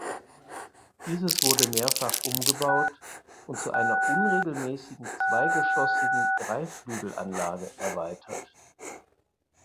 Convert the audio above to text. Dieses wurde mehrfach umgebaut und zu einer unregelmäßigen zweigeschossigen Dreiflügelanlage erweitert.